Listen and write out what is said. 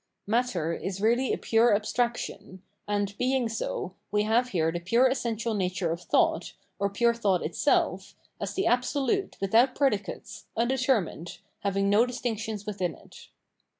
Matter is really a pure abstraction ; and, being so, we have here the pure essential nature of thought, or pure thought itself, as the Absolute without predicates, undetermined, having no distinctions within it.